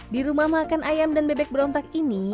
di rumah makan ayam dan bebek berontak ini